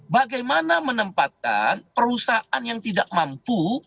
bagaimana menempatkan perusahaan yang tidak mampu